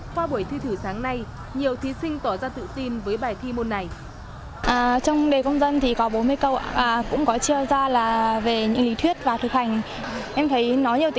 qua buổi thi thử sáng nay nhiều thí sinh tỏ ra tự tin với bài thi môn này